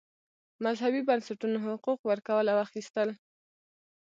مذهبي بنسټونو حقوق ورکول او اخیستل.